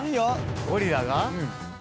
ゴリラが。